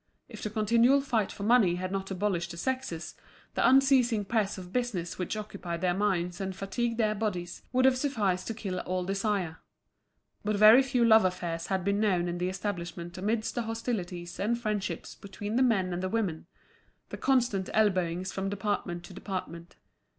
If the continual fight for money had not abolished the sexes, the unceasing press of business which occupied their minds and fatigued their bodies would have sufficed to kill all desire. But very few love affairs had been known in the establishment amidst the hostilities and friendships between the men and the women, the constant elbowings from department to department.